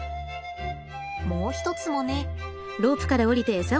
もう一つもね。